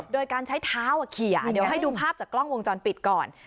โดยการใช้เท้าเขียเดี๋ยวให้ดูภาพจากกล้องวงจรปิดก่อน